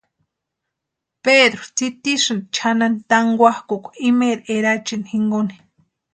Pedru tsitisïnti chʼanani tankwakʼukwa imeeri erachini jinkoni.